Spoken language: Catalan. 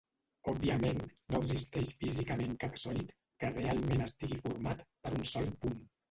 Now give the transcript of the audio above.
Òbviament no existeix físicament cap sòlid que realment estigui format per un sol punt.